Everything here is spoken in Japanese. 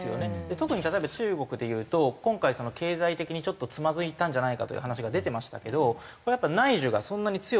特に例えば中国で言うと今回経済的にちょっとつまずいたんじゃないかという話が出てましたけどこれやっぱり内需がそんなに強くない。